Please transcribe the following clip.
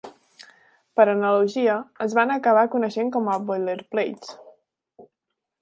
Per analogia, es van acabar coneixent com a "boilerplates".